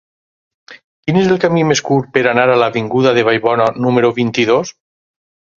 Quin és el camí més curt per anar a l'avinguda de Vallbona número vint-i-dos?